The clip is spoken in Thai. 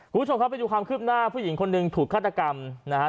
คุณผู้ชมครับไปดูความคืบหน้าผู้หญิงคนหนึ่งถูกฆาตกรรมนะฮะ